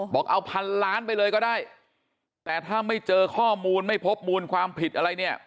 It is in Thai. บอกเอาพันล้านไปเลยก็ได้แต่ถ้าไม่เจอข้อมูลไม่พบมูลความผิดอะไรเนี่ย